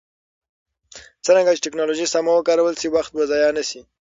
څرنګه چې ټکنالوژي سمه وکارول شي، وخت به ضایع نه شي.